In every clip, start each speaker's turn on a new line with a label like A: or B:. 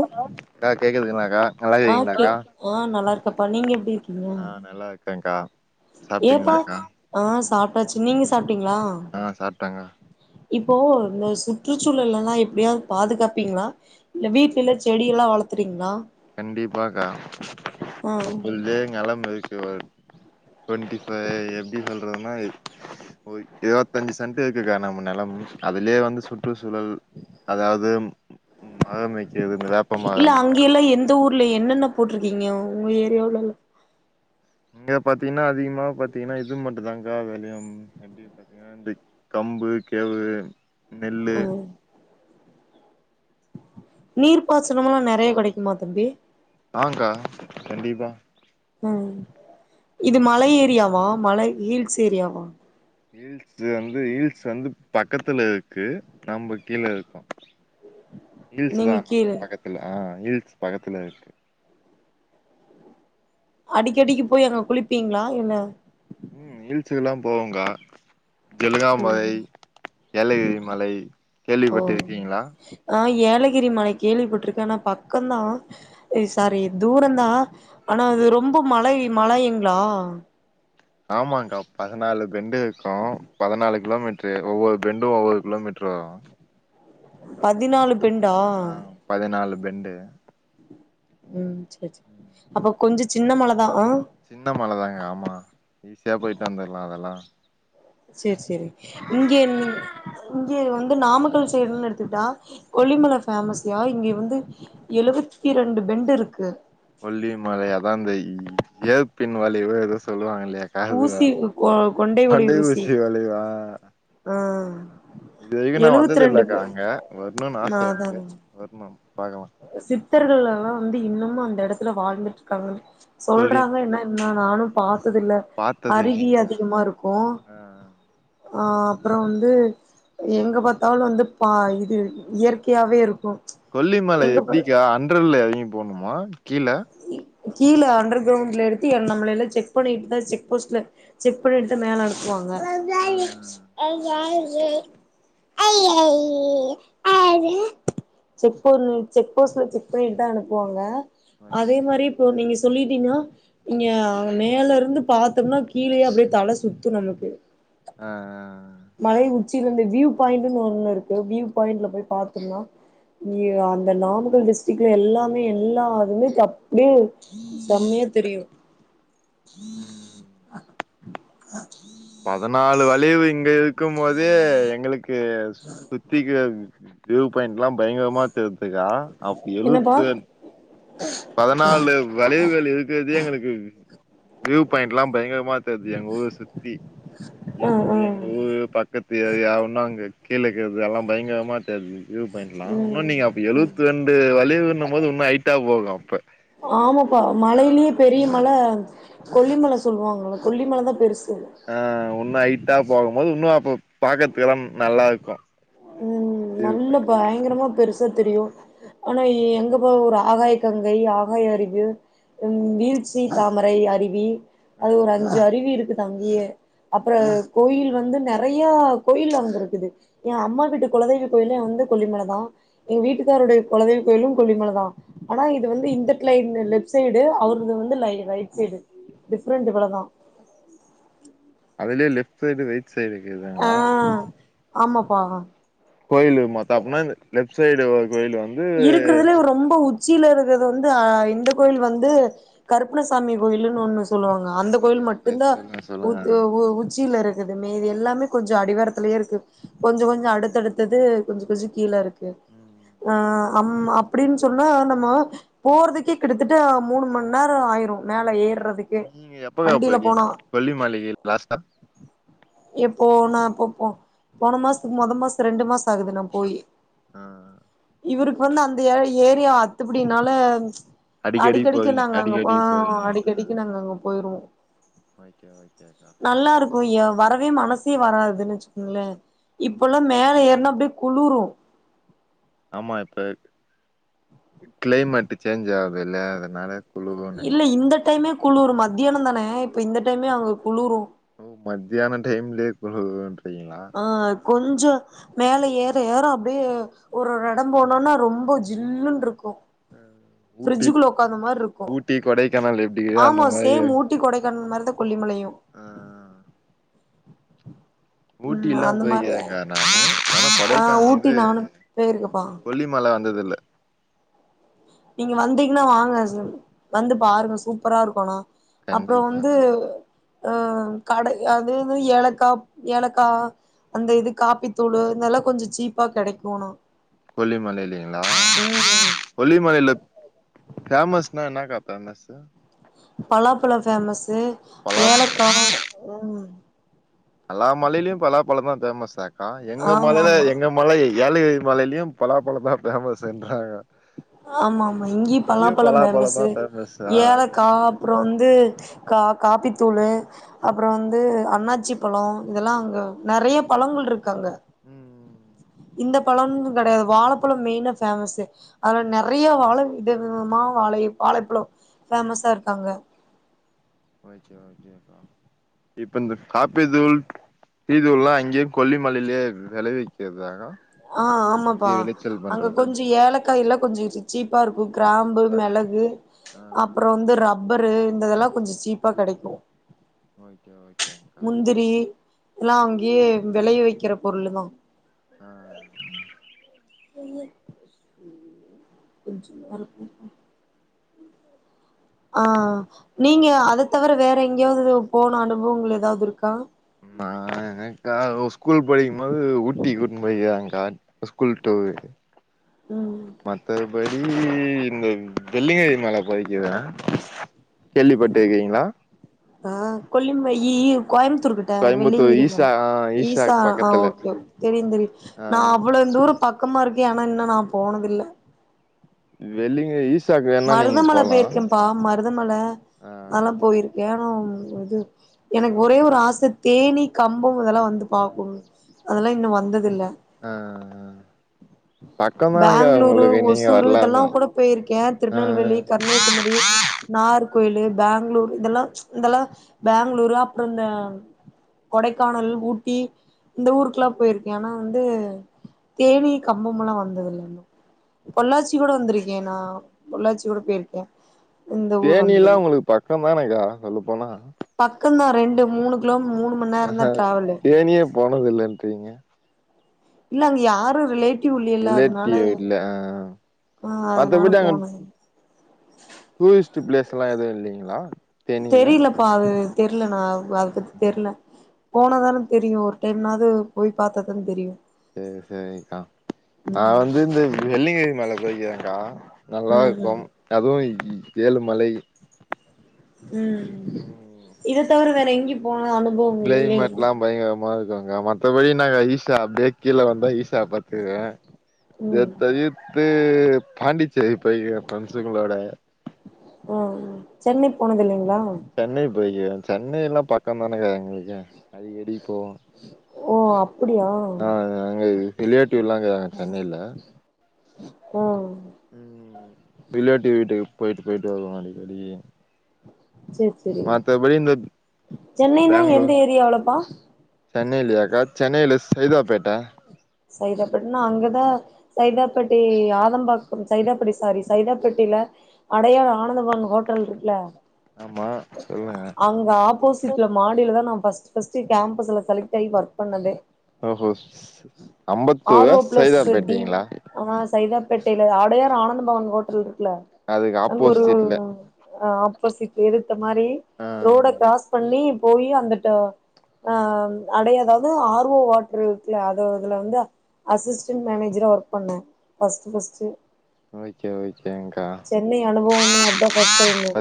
A: Hello கா கேக்குதுக்குங்களா கா நல்லருக்கீங்களாக்கா
B: பண்ணிங்க எப்டி இருக்கீங்க
A: ஹா நல்லா இருக் கேன் கா
B: ஏப்பா ஹா சாப்ட்டாச்சு நீங்க சாப்
A: ஹா சாப்டக்கா
B: இப்போ இந்த சுற்று சூழல் எல்லாம் எப்டியாவது பாதுகாப்பீங்களா இல்ல வீட்டில செடியெல்லாம் வளர்த்துறீங்களா
A: கண்டிப்பாக்கா
B: ஆ
A: நம்மலே நிலம [unintelligible] டுவெண்டி ஃபைவ் செடிகள்னா ஒரு இருவத்தஞ்சு சென்ட் இருக்குக்கா நம்ம நெலம் அதிலே வந்து சுற்றுச்சூழல் அதாவது மரம் வைக்கிறது இந்த வேப்பமரம்
B: இந்த ஊர்ல என்னென்ன போட்டிருக்கீங்க உங்க ஏரியாவுல
A: இங்க பாத்தீங்கன்னா அதிகமா பாத்தீங்கன்னா இது மட்டும் தாக்கா வெலயும் எப்டி பாத்தீங்கன்னா இந்த கம்பு கேவு நெல்லு
B: ம் நீர் பாச்ச தனமா நறைய கிடைக்குமா தம்பி
A: ஹாக்கா கண்டிப்பா
B: உம் இது மல ஏரியாவா மல ஹீல்ஸ் ஏரியாவா
A: ஹீல்ஸ் வந்து ஹீல்ஸ் வந்து பக்கத்துல இருக்கு நம்ம கீழ இருக்கோம் ஹில்ஸ் தான்
B: நீங்க
A: ஆனா
B: கீழ
A: பக்கத்துல ஹா ஹில்ஸ் பக்கதல இருக்கு
B: அடிக்கடிக்கு போய் அங்க குளிப்பீங்களா என்ன
A: உம் ஹில்ஸ்களா போவேங்கா
B: ம்
A: ஜலகாமலை ஏலகிரி மலை கேள்விப்பட்டு இருக்கீங்களா
B: கீரி மல கேள்விப்பட்டட்டுயிருக்கே ஆனா பக்கம்தான் சாரி தூர்தான் ஆனா அது ரொம்ப மலை மலையுங்களா
A: ஆமாக்கா பதனாலு ரெண்டு இருக்கம் பதனாலுக் கிலோமீட்டர் ஒவ்வொரு பெண்டும் ஒவ்வொரு கிலோமீட்டர் வரும்
B: பதினாலு பெண்டா
A: ஹா பதினாலு பெண்டு
B: உம் செரி செரி அப்ப கொஞ்ச சின்ன மல தான்
A: சின்ன மல தாகா ஆமா ஈஸியா போயிட்டு வந்துடலாம் அதெல்லாம்
B: செரி செரி இங்கயிருந்து இங்கே வந்து நாமக்கல் சைடுன்னு எடுத்துட்டா கொல்லிமல ஃபேமஸ்யா இங்க வந்து எழுவத்தி இரண்டு பெண்டு இருக்கு
A: ஒல்லி மலை அதாந்தை எய் பின்வளைவு ஏதோ சொல்லுவாங்க
B: ஊசி
A: [unintelligible]
B: கொ
A: கொண்டை ஊசி வலைவா
B: ஆஹம்
A: இது வரைக்கு வந்தத இல்லக்கா அங்க வரணும்னு ஆச
B: அதா
A: எனக்கு
B: அதா
A: வரணும் பாக்கலாம்
B: சித்தர்கள் எல்லாம் வந்து இன்னுமும் அந்த இடத்துல வாழ்ந்துட்டு இருக்காங்க
A: கொல்லி
B: சொல்றாங்க என்ன என்ன நானும் பாஸ் த்ததில்ல
A: பாத்தது
B: அருவி
A: இல்லைங்களா
B: அதிகமா இருக்கோம்
A: ஆ
B: ஆஹம் அப்புறம் வந்து எங்க பார்த்தாலும் வந்து பா இது இயற்கையாவே இருக்கும்
A: கொல்லிமலை எப்படிக்கா அன்றர்ல இரங்கி போணுமா கீழ
B: கீழ அண்டர் கிரவுண்ட்ல எடுத்து எ நம்ம எல்லாம் செக் பண்ணிட்டு தான் செக் போஸ்ட்ல செக் பண்ணிட்டு மேல அனுப்புவாங்க
A: ஆ
B: க செக் போரு செக் போஸ்ட்ல செக் பண்ணிட்டு தான் அனுப்புவாங்க
A: ஓகே
B: அதே மாரி இப்போ நீங்க சொல்லிட்டினா நீங்க அங்க மேல இருந்து பார்த்தோம்னா கீழேயே அப்டியே தலை சுத்தும் நமக்கு
A: ஆஹ்ஹ்
B: மலை உச்சியில இருந்து வியூ பாயிண்ட்ன்னு ஒண்ணு இருக்கு வியூ பாயிண்ட்ல போய் பார்த்தோம்னா அந்த நாமக்கல் டிஸ்டிக்ல எல்லாமே எல்லா அதுமே அப்படியே செம்மையா தெரியும்
A: உம்
B: அஹ
A: பதினாலு வளைவு இங்க இருக்கும் போதே எங்களுக்கு சுத்தி கக் வியூ பாயிண்ட் எல்லாம் பயங்கரமா தெரிது க்கா அப்ப
B: என்னப்பா
A: எழுவத்த பதினாலு வளைவுகள் இருக்கிறதே எங்களுக்கு வியூ பாயி்ண்ட்லாம் பயங்கர பாத்தது எங்க ஊர் சுத்தி
B: ஆ
A: எங்க
B: ஆ
A: எங்க ஊர் பக்கத்து ஏரியா ஆவுன்னா கீழே இருக்கறது எல்லாம் பயங்கரமா வியூ பாயிண்ட்லாம்
B: ம்
A: இன்னு நீங்க அப்ப ஏழுபதிரெண்டு வளைவுனம் போது இன்னும் ஐ தா போகும்
B: ஆமாப்பா மலையிலயே பெரிய மலை கொல்லிமலை சொல்லுவாங்கள்ல கொல்லிமலை தான் பெருசு
A: ஆஹ் ஒன்னும் ஐட்டா போகும்போது இன்னும் அப்ப பாக்கறதுக்கெல்லாம் நல்லா இருக்கும்
B: உம் நல்ல பயங்கரமா பெருசு தெரியும் ஆனா எங்க போ ஒரு ஆகாய கங்கை ஆகாய அறிவு வீழ்ச்சி தாமரை அருவி அது
A: ஆ
B: ஒரு அஞ்சு அருவி இருக்குது தங்கியே அப்புற கோயில் வந்து நெறைய கோயில் அங்க இருக்குது என் அம்மா வீட்டு குலதெய்வ கோயிலும் அத கொல்லிமலை தான் எங்க வீட்டுக்காருடைய குலதெய்வ கோயிலும் கொல்லிமலை தான் ஆனா இது வந்து இந்த தை இந்த லெப்ட் சைடு அவரது வந்து ரைட் சைடு டிஃப்ரெண்ட் இவ்வளதான்
A: அதுலே லெப் சைய்டு ரைட் சைடுக்கு இதுங்களா
B: ஆமப்பா
A: கோயிலு மத்த அப்பனா லெப் சைய்டு
B: இருக்கிறதுலே ரொம்ப உச் உச்சியில இருக்கிறது வந்து இந்த கோயில் வந்து கருப்பணசாமி கோயில்லுனு ஒண்ணு சொல்லுவாங்க அந்த
A: ஓகே
B: கோயில்
A: ஓகே
B: மட்டும் தான்
A: சொல்லுங்க சொல்லுங்க
B: உச்சில இருக் க்குது மீதி எல்லாமே கொஞ்சம் அடிவாரத்துலயே இருக்கு கொஞ்சம் கொஞ்சம் அடுத்தடுத்து கொஞ்சம் கொஞ்சம் கீழே இருக்கு ஓ கே
A: ம்
B: ம் அம் அப்படின்னு சொன்னா நம்ம போறதுக்கே கிடாதட்ட மூணு மணி நேரம் ஆயிரும் மேல ஏற்ற
A: நீங்க எப்பக்கா போயிக் கொல்லிமலைக்கு லாஸ்டா
B: போன போ போன மாசத்துக்கு மொத மாசம் ரெண்டு மாசம் ஆகுது நான் போய்
A: ஆஹ்
B: இவருக்கு வந்து அந்த ஏரியா அத்துப்புடினால
A: அடிக்கடி
B: அடிக்கடிக்கு
A: போவீங்க
B: நாங்க அங்கப்
A: அடிக்கடி
B: அடிக்கடிக்கு நாங்க அங்க போயிருவோம்
A: ஓக்கே ஓக்கேக்கா
B: இருக்கு எ வரவே மனசே வராதுன்னு வச்சுக்கோங்களே இப்போல்லாம் மேல ஏறனா அப்டே குளுரும்
A: ஆமா இப்ப கிளைமேட் சேஞ்ச் ஆது இல்ல அதனால குளுருன்னு
B: இல்ல
A: நெனைக்கிறே
B: இந்த டைமே குளுர் மத்தியானம் தானே இப்ப இந்த டைமே அங்க குளுரும்
A: உம் மதியன டைம்லையே குளுருத் செய்ங்களா
B: கொஞ்சம் மேல ஏற ஏற அப்டியே ஒரு ஒரு இடம் போனோன்னா ரொம்ப ஜில்லுன்ரு இருக்கும்
A: ஊட்டி
B: பிரட்ஜுக்குள்ள உட்கார்ந்த மாரி இருக்கும்
A: ஊட்டி கொடைக்கானல் எப்டியோ
B: ஆமா
A: அந்த மாரி
B: சேம் ஊட்டி கொடைக்கானல் மாரிதான் கொல்லிமலையும்
A: ஆ ஊட்டி எல்லாம்
B: அந்த மாரி
A: போய்க்குறங்க நானு ஆனா
B: ஆ
A: கொடைக்கானல்
B: ஊட்டி
A: இது
B: நானு போயிருக்கப்பா
A: கொல்லிமல இருந்ததில்ல
B: நீங்க வந்தீங்கன்னா வாங்க வந்து பாருங்க சூப்பரா இருக்கோ ஆனா அப்புறம் வந்து
A: கண்டிப்பாங்க
B: அஹ் கடை அது இது ஏலக்கா ஏலக்கா அந்த இது காப்பித்தூள் இதெல்லாம் கொஞ்சம் சீப்பா கிடைக்குனு
A: கொல்லிமலைலிங்களா கொல்லி கொல்லிமலையில பேமஸ்னா இன்னக்கா ஃபேமஸ்
B: பலாப்பலோ ஃபேமஸ் து
A: பலாப்பழோ
B: ஏலக்காவு உஹ்ம்
A: எல்லா மலையிலும் பலாப்பழம் தான் ஃபேமஸ் ஹா ஆஹ எங்க
B: ஆமா
A: மலைதான்
B: ஆமா
A: எங்க மலை ஏலகிரி மலையிலயும் பலாப்பழம் தான் பேமஸ் என்றாங்க
B: ஆமா ஆமா இங்கேயும் பலா பலம் பேமஸ்
A: பலாப்பழந்தா ஃபேமஸ்ஸா
B: ஏலக்கா அப்புறம் இந்து காப்பித்தூளு அப்புறம் வந்து அண்ணாச்சி பலம் இதல்லாம் அங்க நிறைய பழங்கள் இருக்கு கங்க
A: ம்
B: இந்த பழம் கிடையாது வாழைப்பழம் மெயினா பேமஸ் அதல நிறைய வாழை வித விதமா வாழை வாழைப்பழம் பேஃமஸா இருக்காங்க
A: ஓகே ஓகே அக்கா இப்ப இந்த காப்பித்தூள் டீ தூள் எல்லாம் அங்கயே கொல்லிமலையிலயே விளைவிக்கிறதாகா
B: ஆஹ் ஆமாப்பா அங்க கொஞ்ச ஏலக் காயெல்லாம் கொஞ்சம் சீப்பா இருக்கும் கிராம்பு மிளகு
A: ஆ
B: அப்புறம் வந்து ரப் ப்பரு இந்ததெல்லாம் கொஞ்சம் சீப்பா கிடைக்கும்
A: ஓகே ஓகேங்க்கா
B: எல்லாம் அங்கயே விலைய வைக்கிற பொருள்தான்
A: ஆஹ் ஆஹ்
B: கொஞ்சம் கொஞ்சம் வருக்கும் ஆஹ் நீங்க அத தவிர வேற எங்கேயாவது போன அனுபவங்கள் ஏதாவது இருக்கா
A: நான் எனக்கா ஸ்கூல் படிக்கும்போது ஊட்டி போயிருக்காங்கக்கா ஸ்கூல் டூர்
B: ம்
A: மத்தபடி நீங்க இந்த வெள்ளியங்கிரி மலை போயிருக்கீங்களா கேள்விப்பட்டு இருக்கீங்களா
B: ஆஹ் கொல்லிமயில் கோயம்புத்தூர் கிட்ட
A: கோயம்புத்தூர்
B: வெள்ளிங்கிரி மல
A: ஈஷா
B: ஈஷா
A: ஈஷாக்கு
B: ஆஹ்
A: பக்கத்துல
B: ஓகே ஓகே தெரியும் தெரியும் நான்
A: ஆ
B: அவ்வளவு தூரம் பக்கமா இருக்கேன் இன்னும் நான் போனதில்ல
A: வெள்ளிங்க ஈஸ்
B: மருதமலை போயிருக்கேன்ப்பா மருதமலை
A: ஆ
B: அதெல்லாம் போயிருக்கேன் ஆ இது எனக்கு ஒரே ஒரு ஆசை தேனி கம்பம் இதெல்லாம் வந்து பார்க்கணும் அதெல்லாம் இன்னும் வந்ததில்ல
A: ஆஹ்ஹ்பக்கம் தானேக்கா
B: பேங்களூரு
A: உங்களுக்கு நீங்க
B: ஒசூரு இதெல்லா
A: வரலாமே
B: கூட போயிருக்கே
A: ஆ
B: திருநெல்வேலி கன்னியாகுமரி நாகர் கோயில் பெங்களூர் இதெல்லாம் இதெல்லாம் பெங்களூரு அப்புறம் இந்த கொடைக்கானல் ஊட்டி இந்த ஊருக்குல்லாம் போயிருக்கேன் ஆனா வந்து தேனி கம்பம் எல்லாம் வந்ததில்ல பொள்ளாச்சி கூட வந்திருக்கேன் நான் பொள்ளாச்சி கூட போயிருக்கேன்
A: தேனீல்லாம் உங்களுக்கு பக்கம் தானேக்கா சொல்ல போனா
B: ம்தான் ரெண்டு மூணு கிலோ மீ
A: ஆஹ் தேனியே போனது இல்லன்றீங்க
B: இல்ல அங்க யாரு ரிலேட்
A: ரிலேட்டிவ் இல்ல ஆஹ்
B: ஆ அதனால
A: மத்தபடி அங்க
B: போனது
A: டூரிஸ்ட் பிளேஸ் லாம் எதுவும் இல்லைங்களா தேனில
B: தெரியலப்பா அது தெரியல நான் அதை பத்தி தெரியல போனதானே தெரியும் ஒரு டைம்னாவது போய் பார்த்தா தானே தெரியும்
A: செரி செரிக்கா நான்
B: ம்
A: வந்து இந்த வெள்ளங்கரி மலை போய்ருக்கேன்க்கா நல்லா
B: ம் ம்
A: இருக்கும் அதுவும் உம் ஏழுமலையில்
B: உம் இத தவிற வே ற எங்கேயும் போ
A: கிளைமேட் எல்லாம் பயங்கரமா இருக் குங்க மத்தபடி நாங்க ஈஷா அப்டியே கீழே வந்தா ஈஷாவ பாத்துவேன் இத
B: ம்
A: தவிர்த்து இது பாண்டிச் சேரி போயிக்கே ப்ரெண்ஸ்சுங்குளோட
B: ஆ சென்னை போனது இல்லைங்கிளா
A: சென்னை போய்கிறேன் சென்னையில்லா பக்கம் தானுங்க எங்குளுக்கே அடிக்கடி போவோ
B: ஓ அப்
A: ஆஹ் ஹ அங்க ரிலேட்டிவுலாங்க சென்னையில
B: ஓ
A: ரிலைட்டிவ் வீட்டுக்கு போயிட்டு போயிட்டு வருவோ வெளிய
B: செர் செரிங் சென்னைன்னா எந்த
A: பேங்ளூர்
B: ஏரியாளப்பா
A: சென்னையில செய்தாப்பேட்ட
B: சைதாபட்டினா அங்கதா சைதாபட்டி ஆதம்பாக்கம் சைதாபட்டி சாரி சைதாபட்டியில அடையார் ஆனந்தபவன் ஹோட்டல் இருக்குல்ல
A: ஆமா சொல்லுங்க
B: அங்க ஆப்போசிட்ல மாடியிலதா நாம் ஃபஸ்ட் ஃபஸ்ட்டு கேம்பஸ்சுல செலக்ட் ஆகி ஒர்க் பண்ணதே ஆர்
A: அம்பந்தூரா
B: ஓ
A: செய்தாப்பேட்டிங்களா
B: பேட்டையில அடையார் ஆனந்த் பவன்ஹோட்டல் இருக் க்குல
A: அதுக்கு
B: அங்கு ஒரு
A: ஆப்போசிட்ல
B: ஆஹ் ஆப்பேசிக் எது இந்த மாரி
A: ஆ
B: ரோட கிராஸ் பண்ணி போய் அந்தட்ட ஆஹாம் அடையதாவது ஆர்வோ வாட்ரு இருக்குல அ து இதுல வந்து அசிஸ்டன்ட் மேனேஜரா ஒர்க் பண்ணே பஸ்ட்டு பஸ்ட்டு
A: ஓகே ஓகேங்கா
B: அனுபவமே அதா பஸ்ட் [unintelligible]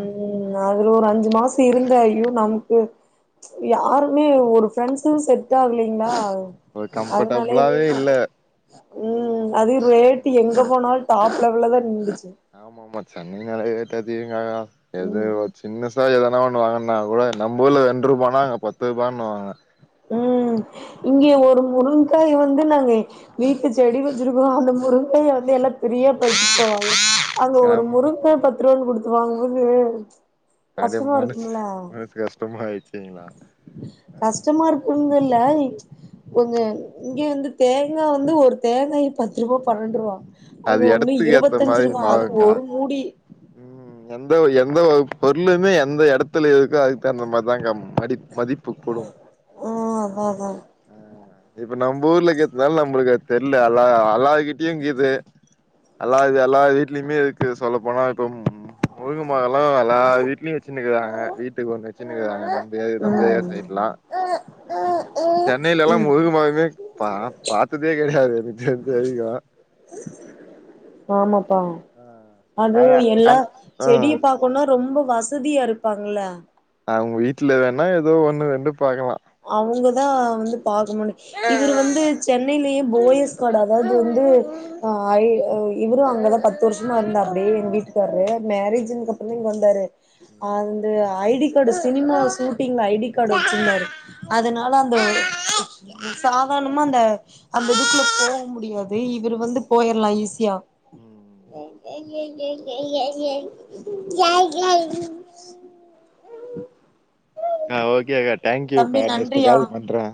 B: உம் அவுரு ஒரு அஞ்சு மாஷ்சு இருந்தாயு நமக்கு யாருமே ஒரு ஃப்ரெண்ட்ஸ்சுன் செட் ஆகுலைங் ல்லா
A: ஒரு கம்ஃபர்ட்டுபிளாவே இல்ல
B: உம் அது ரேட்டு எங்க போனால் தாப் லெவுல தான் நிண்டுச்சு
A: ஆமா ஆமா சென்னை நாலேப் [unintelligible] எது
B: ம்
A: ஒர் சின்னஸ் த்தா எதுனா ஒன்னு வாங்குனுன்னா கூட நம்பூர்ல ரெண்டு ரூவானா அங்கு பத்து ரூபான்னுவாங்க
B: உம் இங்கியே ஒரு முருங் ங்காயை வந்து நாங்க வீட்டு செடி வெச்சிருக்கோ அந்த முருங்காயை வந்து எல்லா பிரியா பறிச்சுட் போவாங்க அங்க ஒரு
A: ஆமா ஆமா
B: முறுங்கா பத்து ரூபானு கொடுத்து வாங்கங்க
A: அது மனச மனச கஷ்டம் ஆயிச்சு
B: கஷ்டமா இருக்குங்க ல கொஞ்ச இங்க வந்து தேங்கா வந்து ஒரு தேங்காய் பத்து ரூபா பன்னெண்ரூபா அது ஒண்ணு
A: எடத்துக்கு ஏத்த
B: இருபத்தஞ்சு
A: மாரி
B: ரூபா அது
A: மாறுங்க்கா
B: ஒரு மூடி
A: ம் எந்த எந்த ஒருபொருளுமே எந்த எடத்துல இருக்கோ அதுக்கு தகுந்தாமாரிதாங்க மடி மதிப்பு
B: உம் உம் உம்
A: அஹ் இப்ப நம்ம ஊர்ல கேத்தனாலும் நம்மளுக்கு தெரில அல்லா அல்லாகிட்டயும் கீது அல்லாது எல்லா வீட்லயுமே இருக்கு சொல்லப்போனா இப்முருங் மொதல எல்லா வீட்லயு வச்சினுகிறாங்க வீட்டுக்கு ஒண்ணு வச்சுனுகிறாங்க
B: அதா
A: நம்ப நம்பஏரியா
B: ம்
A: சைட்ல லா சென்னையில
B: ம்
A: முருக மரமே பாப் பாத்ததே கெடையாது எனக்கு தெரிஞ்ச வரைக்கும்
B: ஆமா அது
A: ஆனா
B: எல்லா
A: அந் ஆ
B: செடிய பாக்கணு ரொம்ப வசதியா இருப்பாங்கள
A: அவங்க வீட்டுல வேணா ஏதோ ஒண்ணு ரெண்டு பாக்கலா
B: அவங்கதா வந்து பாக்க முனு இவரு வந்து சென்னையிலயே போயஸ் கார்டு அதாவது வந்து அஹ் இவரும் அங்களா பத்து வருஷமா இருந்தாப்டி
A: ஓகே
B: எங்வீட்டுக்காரு
A: ஓகே அக்கா.
B: மேரேஜ்ன்னு அப்புறமா இங்க வந்தாரு அந்து ஐடி கார்டு சினிமா சூட்டிங்ல ஐடி கார்டு வச்சிருந்தாரு அதனால அந்த சாதார்னமா அந்த அந்த இதுக்குல போக முடியாது இவரு வந்து போயிலா ஈஸியா
A: ம்
B: உ [unintelligible]
A: ஆஹ் ஓகே கட் தேங்க்யூ கா
B: தம்பி
A: நெக்ஸ்ட்
B: நன்றியா
A: கால் பண்றே